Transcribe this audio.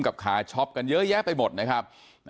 ขาช็อปกันเยอะแยะไปหมดนะครับ